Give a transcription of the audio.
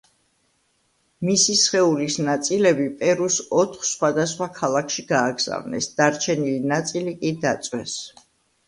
მისი სხეულის ნაწილები პერუს ოთხ სხვადასხვა ქალაქში გააგზავნეს, დარჩენილი ნაწილი კი დაწვეს.